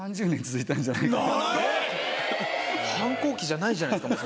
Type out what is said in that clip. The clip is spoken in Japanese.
反抗期じゃないじゃないですか。